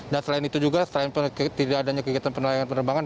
dan selain itu juga selain tidak adanya kegiatan penerbangan